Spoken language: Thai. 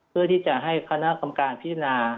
เพื่อที่จะให้คณะกรรมการพิจารณา